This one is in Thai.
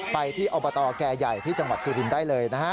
ไปที่อปตแก่ใหญ่ที่จังหวัดซื้อดินได้เลยนะฮะ